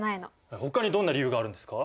ほかにどんな理由があるんですか？